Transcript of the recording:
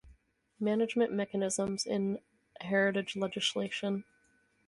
Management mechanisms in heritage legislation.